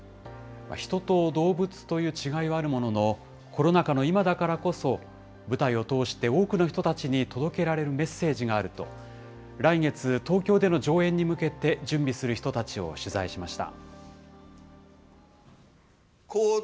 人と動物という違いはあるものの、コロナ禍の今だからこそ、舞台を通して多くの人たちに届けられるメッセージがあると、来月、東京での上演に向けて準備する人たちを取材しました。